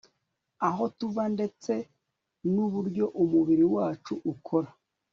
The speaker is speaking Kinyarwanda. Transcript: aho tuva ndatse n uburyo umubiri wacu ukora